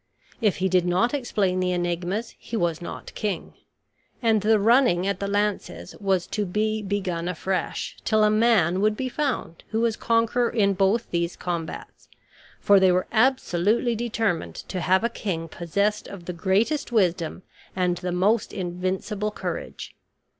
If he did not explain the enigmas he was not king; and the running at the lances was to be begun afresh till a man would be found who was conqueror in both these combats; for they were absolutely determined to have a king possessed of the greatest wisdom and the most invincible courage.